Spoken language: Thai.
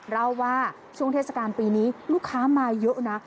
เล่าว่าช่วงเทศกาลปีนี้ลูกค้ามาเยอะนะ